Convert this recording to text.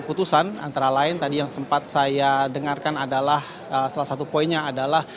putusan antara lain tadi yang sempat saya dengarkan adalah salah satu poinnya adalah